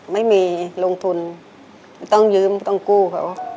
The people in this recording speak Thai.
ไม่มีลงทุนต้องยืมต้องกู้เขา